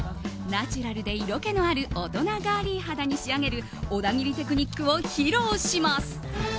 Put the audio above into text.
ナチュラルで色気のある大人ガーリー肌に仕上げる小田切テクニックを披露します。